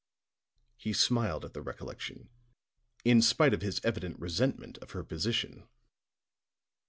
He smiled at the recollection, in spite of his evident resentment of her position.